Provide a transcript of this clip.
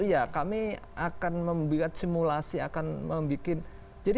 iya kami akan membuat simulasi akan membuat